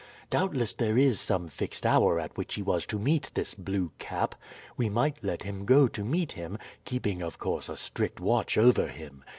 Doubtless there is some fixed hour at which he was to meet this Blue Cap. We might let him go to meet him, keeping of course a strict watch over him.